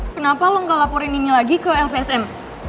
kenapa lo gak laporin ini lagi ke lpsm